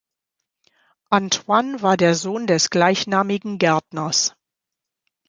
Antoine war der Sohn des gleichnamigen Gärtners.